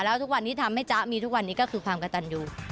แล้วทุกวันที่ทำให้จ๊ะมีทุกวันนี้ก็คือความกระตันอยู่